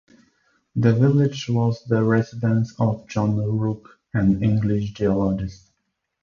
The village was the residence of John Rooke, an English geologist.